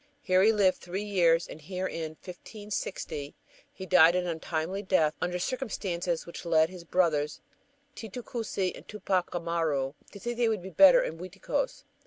Here he lived three years and here, in 1560, he died an untimely death under circumstances which led his brothers, Titu Cusi and Tupac Amaru, to think that they would be safer in Uiticos.